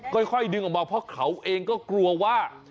ค่อยดึงออกมาเพราะเขาเองก็กลัวว่า